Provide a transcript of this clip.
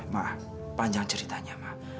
ma panjang ceritanya ma